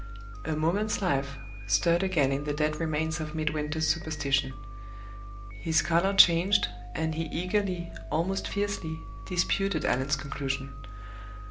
A moment's life stirred again in the dead remains of Midwinter's superstition. His color changed, and he eagerly, almost fiercely, disputed Allan's conclusion.